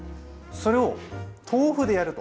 それを豆腐でやると。